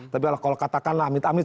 tapi kalau katakanlah amit amit